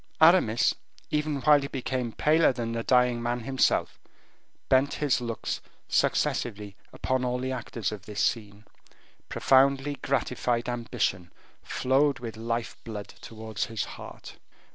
Aramis, even while he became paler than the dying man himself, bent his looks successively upon all the actors of this scene. Profoundly gratified ambition flowed with life blood towards his heart.